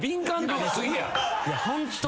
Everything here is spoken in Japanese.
ホントに。